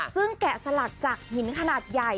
ซึ่งแกะสลักจากหินขนาดใหญ่